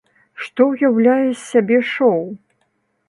Што ўяўляе з сябе шоў?